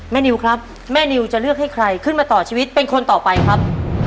นิวครับแม่นิวจะเลือกให้ใครขึ้นมาต่อชีวิตเป็นคนต่อไปครับ